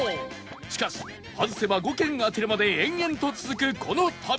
しかし外せば５軒当てるまで延々と続くこの旅